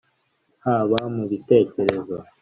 haba mu bitekerezo